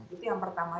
itu yang pertama